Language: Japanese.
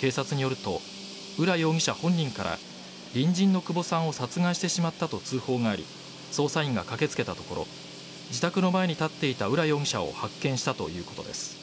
警察によると、浦容疑者本人から隣人の久保さんを殺害してしまったと通報があり捜査員が駆けつけたところ自宅の前に立っていた浦容疑者を発見したということです。